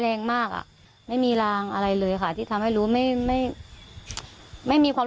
แรงมากอ่ะไม่มีรางอะไรเลยค่ะที่ทำให้รู้ไม่ไม่ไม่มีความ